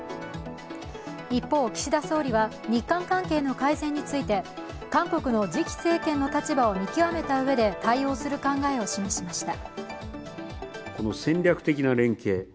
一方、岸田総理は日韓関係の改善について韓国の次期政権の立場を見極めたうえで対応する考えを示しました。